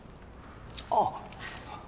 あっ。